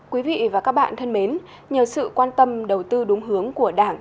quý vị và các bạn thân mến nhờ sự quan tâm đầu tư đúng hướng của đảng